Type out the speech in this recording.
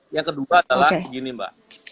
yang kedua adalah begini mba